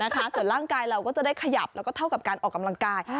ส่วนร่างกายเราก็จะได้ขยับแล้วก็เท่ากับการออกกำลังกาย